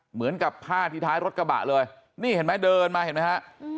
เหมือนกับผ้าที่ท้ายรถกระบะเลยนี่เห็นไหมเดินมาเห็นไหมฮะ